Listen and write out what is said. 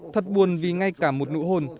thật buồn vì ngay cả một nụ hôn